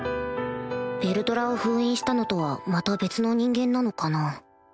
ヴェルドラを封印したのとはまた別の人間なのかな？